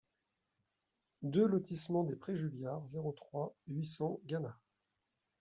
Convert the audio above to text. deux lotissement des Prés Juliards, zéro trois, huit cents Gannat